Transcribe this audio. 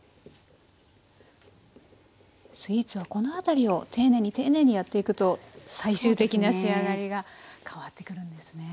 スイーツはこの辺りを丁寧に丁寧にやっていくと最終的な仕上がりがそうですね。